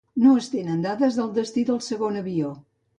No es tenen dades del destí del segon avió.